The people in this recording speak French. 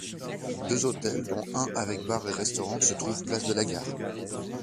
Deux hôtels, dont un avec bar et restaurant, se trouvent place de la gare.